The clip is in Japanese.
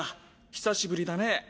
久しぶりだね。